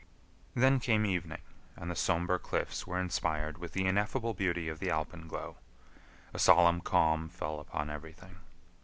Then came evening, and the somber cliffs were inspired with the ineffable beauty of the alpenglow. A solemn calm fell upon everything.